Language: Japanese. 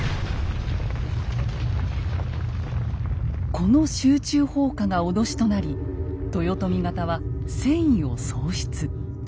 この集中放火が脅しとなり豊臣方は戦意を喪失。